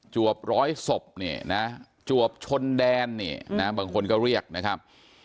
วบร้อยศพเนี่ยนะจวบชนแดนเนี่ยนะบางคนก็เรียกนะครับ